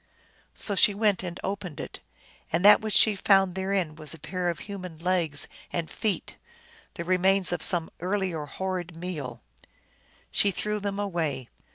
So she went and opened it, and that which she found therein was a pair of human legs and feet, the remains of some ear lier horrid meal. She threw them far away.